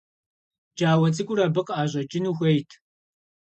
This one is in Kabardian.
Пкӏауэ цӏыкӏур абы къыӏэщӏэкӏыну хуейт.